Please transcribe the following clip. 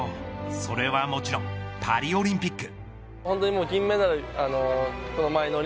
それはもちろんパリオリンピック。